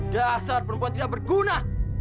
dasar perempuan tidak berguna